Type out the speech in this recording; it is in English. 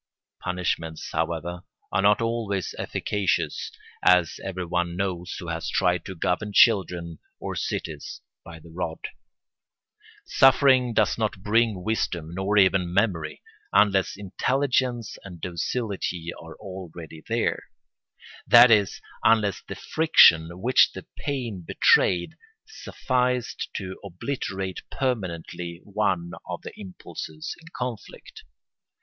Punishments, however, are not always efficacious, as everyone knows who has tried to govern children or cities by the rod; suffering does not bring wisdom nor even memory, unless intelligence and docility are already there; that is, unless the friction which the pain betrayed sufficed to obliterate permanently one of the impulses in conflict.